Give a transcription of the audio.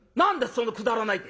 そのくだらないって」。